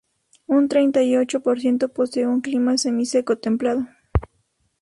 Un treinta y ocho por ciento posee un clima semiseco templado.